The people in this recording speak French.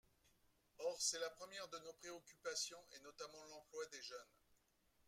Or c’est la première de nos préoccupations, et notamment l’emploi des jeunes.